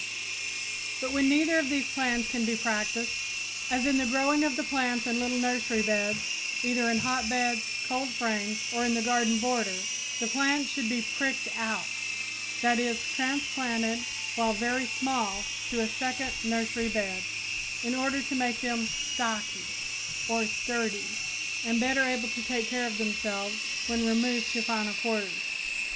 [Illustration: Leading Forms of Trowels] But where neither of these plans can be practiced, as in the growing of the plants in little nursery beds, either in hotbeds, cold frames or in the garden border, the plants should be "pricked out," that is, transplanted while very small to a second nursery bed, in order to make them "stocky" or sturdy and better able to take care of themselves when removed to final quarters.